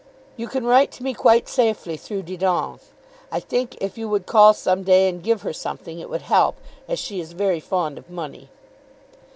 You can write to me quite safely through Didon. I think if you would call some day and give her something, it would help, as she is very fond of money.